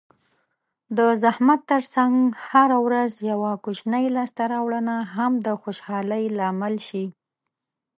د زحمت ترڅنګ هره ورځ یوه کوچنۍ لاسته راوړنه هم د خوشحالۍ لامل شي.